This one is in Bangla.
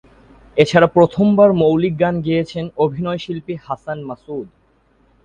এছাড়া প্রথমবার মৌলিক গান গেয়েছেন অভিনয়শিল্পী হাসান মাসুদ।